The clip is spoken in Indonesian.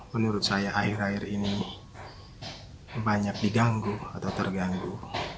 menurut saya akhir akhir ini banyak diganggu atau terganggu